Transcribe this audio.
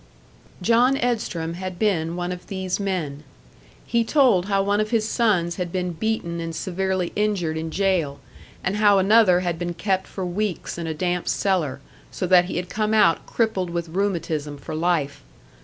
John Edstrom had been one of these men. He told how one of his sons had been beaten and severely injured in jail, and how another had been kept for weeks in a damp cellar, so that he had come out crippled with rheumatism for life.